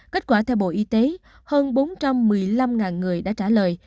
kết quả theo bộ y tế hơn bốn trăm một mươi năm người đã trả lời